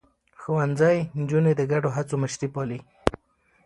ښوونځی نجونې د ګډو هڅو مشري پالي.